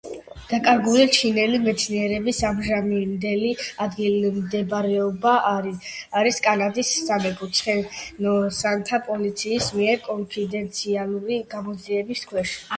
დაკარგული ჩინელი მეცნიერების ამჟამინდელი ადგილმდებარეობა არის კანადის სამეფო ცხენოსანთა პოლიციის მიერ კონფიდენციალური გამოძიების ქვეშ.